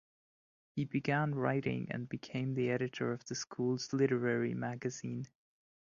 He began writing and became the editor of the school's literary magazine.